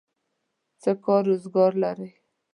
څه کار روزګار لرئ؟